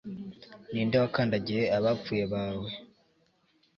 Ninde wakandagiye abapfuye bawe